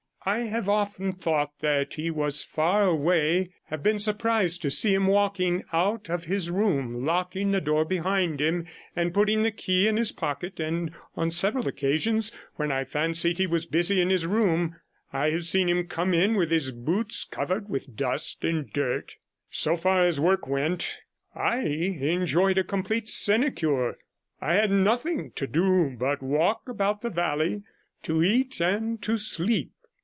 I have often thought he was far away, have been surprised to see him walking out of his room locking the door behind him, and putting the key in his pocket; and on several occasions, when I fancied he was busy in his room, I have seen him come in with his boots covered with dust and dirt. So far as work went I enjoyed a complete sinecure; I had nothing to do but walk about the valley, to eat, and to sleep.